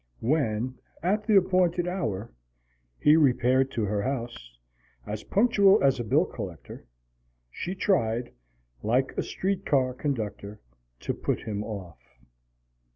When, at the appointed hour, he repaired to her house, as punctual as a bill collector, she tried, like a street car conductor, to put him off.